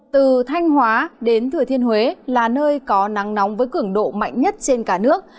từ thanh hóa đến thừa thiên huế là nơi có nắng nóng với cường độ mạnh nhất trên cả nước